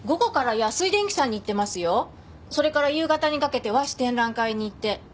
それから夕方にかけて和紙展覧会に行って。